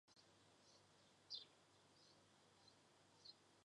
火炮的安装工作和射击测试由布尔日装备生产和制造研究所负责。